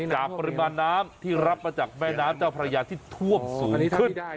ปริมาณน้ำที่รับมาจากแม่น้ำเจ้าพระยาที่ท่วมสูงขึ้น